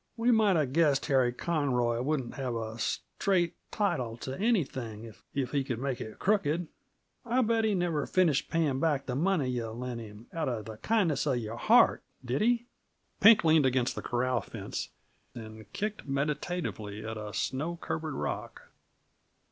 We might 'a' guessed Harry Conroy wouldn't have a straight title to anything if he could make it crooked. I bet he never finished paying back that money yuh lent him out uh the kindness uh your heart. Did he?" Pink leaned against the corral fence and kicked meditatively at a snow covered rock.